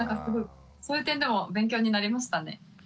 すごいそういう点でも勉強になりましたね。